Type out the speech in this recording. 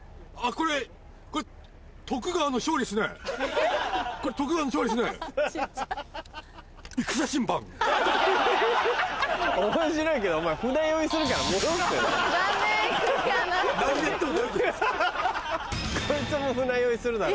こいつも船酔いするだろ。